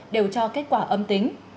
đều cho kết quả âm tính